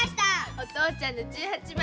お父ちゃんの十八番！